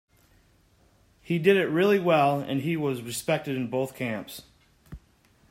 He did it really well and he was respected in both camps.